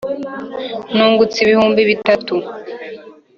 Nungutse ibihumbi bitatu,